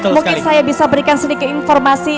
mungkin saya bisa berikan sedikit informasi